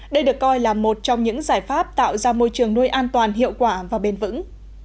đây được coi là một trong những giải pháp tạo ra môi trường nuôi an toàn hiệu quả và bền vững